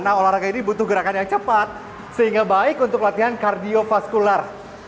nah olahraga ini butuh gerakan yang cepat sehingga baik untuk latihan kardiofaskular